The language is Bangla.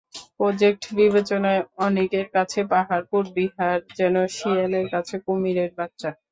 প্রজেক্ট বিবেচনায় অনেকের কাছে পাহাড়পুর বিহার যেন শিয়ালের কাছে কুমিরের বাচ্চা।